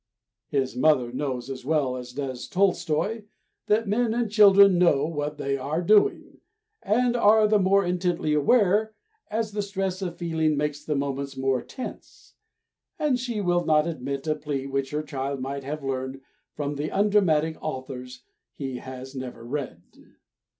His mother knows as well as does Tolstoi that men and children know what they are doing, and are the more intently aware as the stress of feeling makes the moments more tense; and she will not admit a plea which her child might have learned from the undramatic authors he has never read.